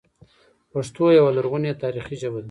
پښتو یوه لرغونې تاریخي ژبه ده